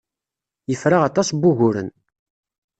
Yefra aṭas n wuguren.